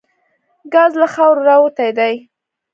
ګاز له خاورو راوتي دي.